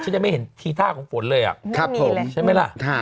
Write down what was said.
ฉันยังไม่เห็นทีท่าของฝนเลยใช่ไหมล่ะ